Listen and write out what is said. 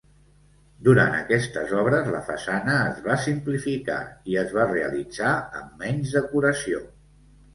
Durant aquestes obres la façana es va simplificar i es va realitzar amb menys decoració.